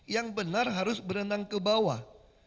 yang benar harus berenang ke bawah